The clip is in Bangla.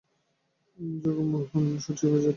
জগমোহন শচীশের জ্যাঠা।